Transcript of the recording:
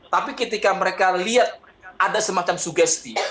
tapi ketika mereka lihat ada semacam sugesti